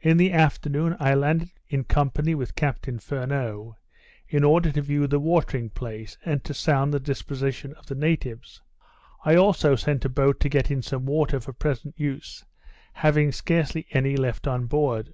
In the afternoon, I landed in company with Captain Furneaux, in order to view the watering place, and to sound the disposition of the natives, I also sent a boat to get some water for present use, having scarcely any left on board.